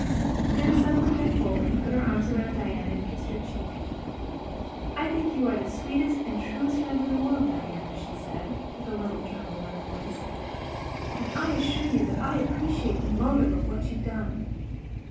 Anne suddenly bent forward, put her arms about Diana, and kissed her cheek. "I think you are the sweetest and truest friend in the world, Diana," she said, with a little tremble in her voice, "and I assure you I appreciate the motive of what you've done."